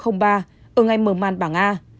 ở ngày mở màn bảng a